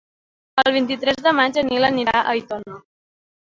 El vint-i-tres de maig en Nil anirà a Aitona.